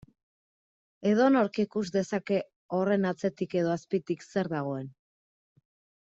Edonork ikus dezake horren atzetik edo azpitik zer dagoen.